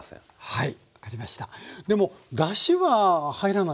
はい。